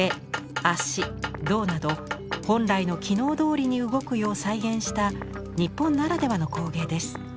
胴など本来の機能どおりに動くよう再現した日本ならではの工芸です。